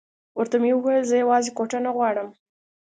ورته مې وویل زه یوازې کوټه نه غواړم.